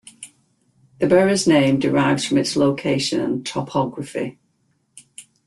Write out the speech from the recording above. The borough's name derives from its location and topography.